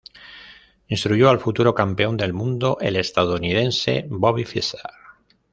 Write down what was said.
Instruyó al futuro campeón del mundo, el estadounidense Bobby Fischer.